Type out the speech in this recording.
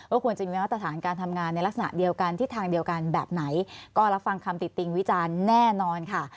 ควรจะมีมาตรฐานการทำงานในลักษณะเดียวกันทิศทางเดียวกันแบบไหนก็รับฟังคำติดติงวิจารณ์แน่นอนค่ะ